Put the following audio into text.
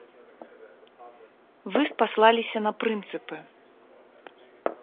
Вы спаслаліся на прынцыпы.